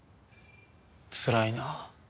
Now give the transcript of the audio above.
つらいな。